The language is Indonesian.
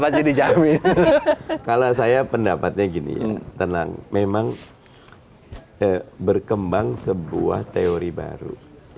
pasti dijamin kalau saya pendapatnya gini ya tenang memang berkembang sebuah teori baru